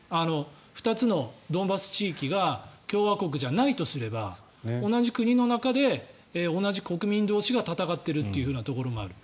２つのドンバス地域が共和国じゃないとすれば同じ国の中で同じ国民同士が戦っているというふうなところもある。